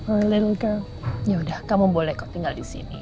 oh anak kecil